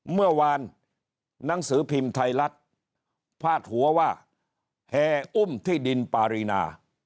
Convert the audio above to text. เมื่อวานหนังสือพิมพ์ไทยรัฐพาดหัวว่าแห่อุ้มที่ดินปารีนา